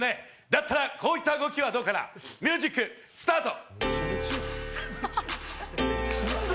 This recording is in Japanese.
だったらこういった動きはどうかな、ミュージック、スタート。